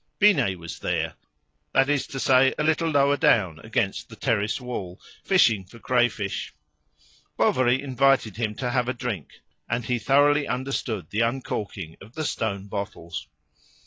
Binet was there; that is to say, a little lower down against the terrace wall, fishing for crayfish. Bovary invited him to have a drink, and he thoroughly understood the uncorking of the stone bottles.